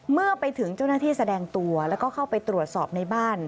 เมื่อไปถึงเจ้าหน้าที่แสดงตัวแล้วก็เข้าไปตรวจสอบในบ้าน